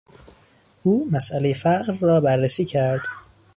او مسئلهی فقر را بررسی کرد.